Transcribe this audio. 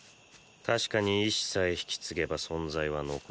確かに意志さえ引き継げば存在は残り続ける。